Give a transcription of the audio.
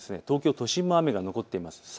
東京都心も雨が残っています。